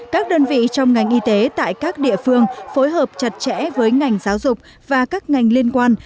các đơn vị trong ngành y tế tại các địa phương phối hợp chặt chẽ với ngành giáo dục và các ngành liên quan